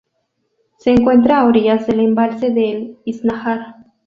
Se encuentra a orillas del embalse de Iznájar.